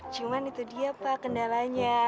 cuman itu dia pak kendalanya